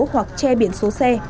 hoặc che biển số xe